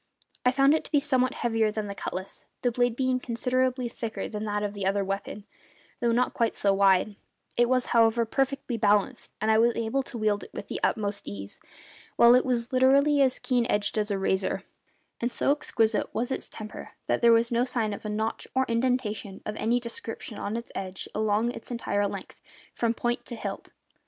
I found it to be somewhat heavier than the cutlass, the blade being considerably thicker than that of the other weapon, though not quite so wide; it was, however, perfectly balanced and I was able to wield it with the utmost ease, while it was literally as keen edged as a razor; and so exquisite was its temper that there was no sign of a notch or indentation of any description on its edge along its entire length, from point to hilt.